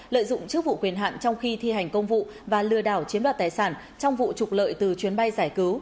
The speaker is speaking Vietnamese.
lợi dụng chức vụ quyền hạn trong khi thi hành công vụ và lừa đảo chiếm đoạt tài sản trong vụ trục lợi từ chuyến bay giải cứu